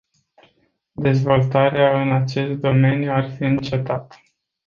Dezvoltarea în acest domeniu ar fi încetat.